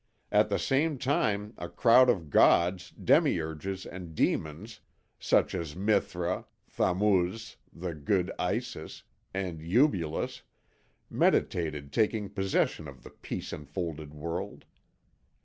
At the same time a crowd of gods, demiurges, and demons, such as Mithra, Thammuz, the good Isis, and Eubulus, meditated taking possession of the peace enfolded world.